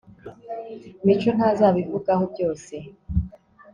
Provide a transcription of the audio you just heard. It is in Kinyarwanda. mico ntazabivugaho byose